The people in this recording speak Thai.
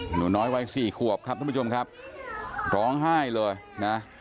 หนูน้อยวัยสี่ขวบครับท่านผู้ชมครับร้องไห้เลยนะ